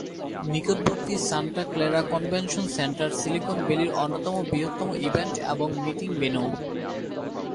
নিকটবর্তী Santa Clara convention center, silicon ভ্যালির অন্যতম বৃহত্তম ইভেন্ট এবং মিটিং ভেন্যু।